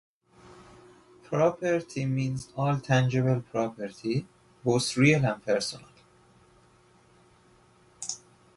Property means all tangible property, both real and personal.